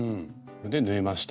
で縫えました。